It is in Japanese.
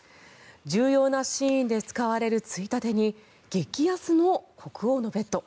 重要なシーンで使われるついたてに激安の国王のベッド。